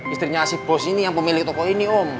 istrinya si bos ini yang pemilik toko ini om